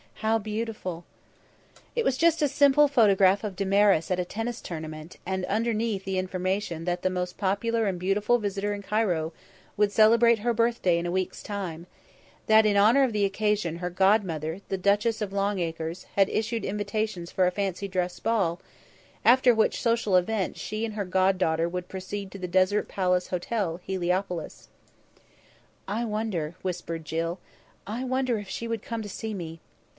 "How beautiful!" It was just a simple photograph of Damaris at a tennis tournament, and underneath the information that the most popular and beautiful visitor in Cairo would celebrate her birthday in a week's time, that in honour of the occasion her god mother, the Duchess of Longacres, had issued invitations for a fancy dress ball, after which social event she and her god daughter would proceed to the Desert Palace Hotel, Heliopolis. "I wonder," whispered Jill, "I wonder if she would come to see me.